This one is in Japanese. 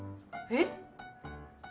えっ？